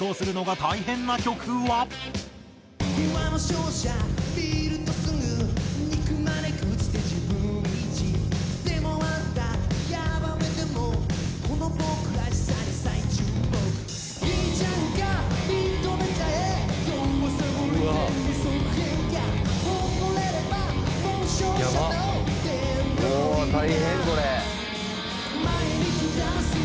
大変これ」